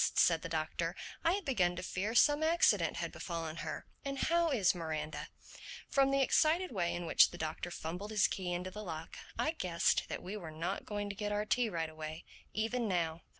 said the Doctor. "I had begun to fear some accident had befallen her. And how is Miranda?" From the excited way in which the Doctor fumbled his key into the lock I guessed that we were not going to get our tea right away, even now.